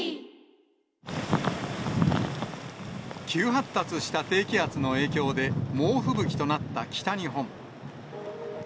急発達した低気圧の影響で、猛吹雪となった北日本。